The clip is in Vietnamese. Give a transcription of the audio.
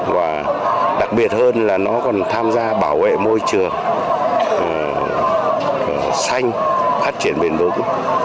và đặc biệt hơn là nó còn tham gia bảo vệ môi trường sanh phát triển biển đông